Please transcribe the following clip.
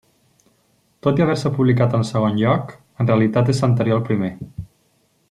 Tot i haver-se publicat en segon lloc, en realitat és anterior al primer.